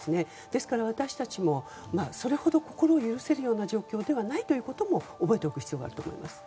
ですから私たちもそれほど心を許せるような状況ではないということも覚えておく必要があると思います。